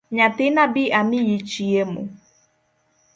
Nyathina bi amiyi chiemo.